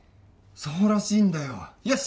そうらしいんだよよし！